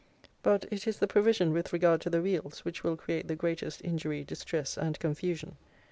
But it is the provision with regard to the wheels which will create the greatest injury, distress and confusion.